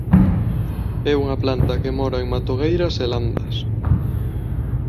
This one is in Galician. É unha planta que mora en matogueiras e landas.